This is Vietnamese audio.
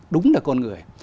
đúng là con người